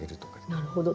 なるほど。